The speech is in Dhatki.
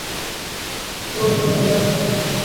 جو اي هلي تو.